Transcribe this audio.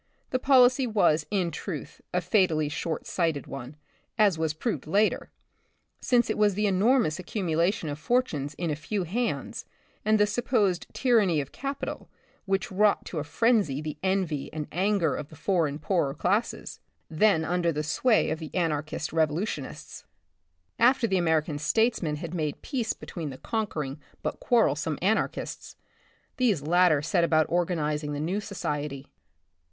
The policy was, in truth, a fatally short sighted one, as was proved later ; since it was the enormous accumulation of fortunes in a few hands and the supposed tyranny of capital which wrought to a frenzy the envy and anger of the foreign poorer classes, then under the sway of the anarchist revolutionists. 54 The Republic of the Future. After the American statesmen had made peace between the conquering but quarrelsome anarchists, these latter set about organizing the new society.